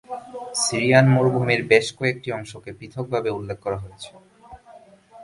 Syrian মরুভূমির বেশ কয়েকটি অংশকে পৃথকভাবে উল্লেখ করা হয়েছে।